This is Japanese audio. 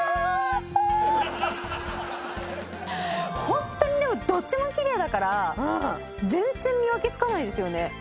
ホントにでもどっちもきれいだから全然見分けつかないですよね。